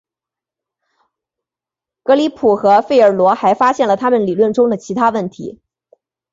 格里普和费尔罗还发现了他们理论中的其他问题。